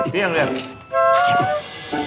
พี่อย่างเดียว